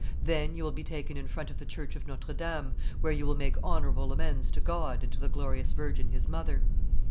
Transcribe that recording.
Then you will be taken in front of the church of Notre Dame, where you will make honorable amends to God and to the glorious Virgin His Mother.